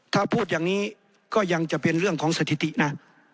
ถ้าพูดอย่างนี้ก็ยังจะเป็นเรื่องของสถิตินะ